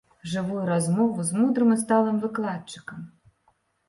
Жывую размову з мудрым і сталым выкладчыкам.